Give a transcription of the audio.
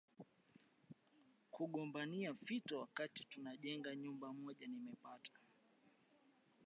kugombania fito wakati tunajenga nyumba moja Nimepata